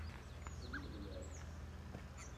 C’est lui le meilleur.